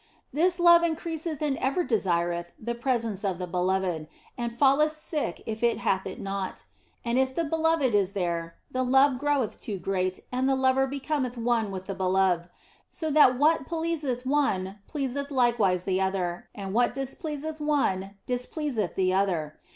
This love increaseth and ever desireth the pre sence of the beloved, and falleth sick if it hath it not. And if the beloved is there, the love groweth too great and the lover becometh one with the beloved, so that what pleaseth one pleaseth likewise the other, and what displeaseth one displeaseth the other.